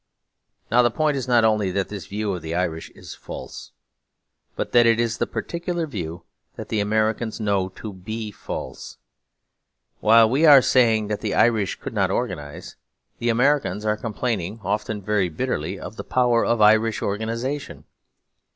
Now the point is not only that this view of the Irish is false, but that it is the particular view that the Americans know to be false. While we are saying that the Irish could not organise, the Americans are complaining, often very bitterly, of the power of Irish organisation.